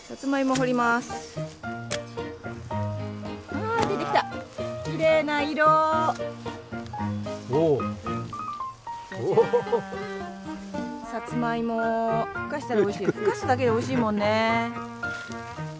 ふかすだけでおいしいもんね。